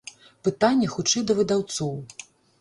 Пытанне хутчэй да выдаўцоў.